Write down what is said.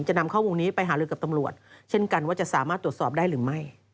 จะนำข้อมูลนี้ไปหาลือกับตำรวจเช่นกันว่าจะสามารถตรวจสอบได้หรือไม่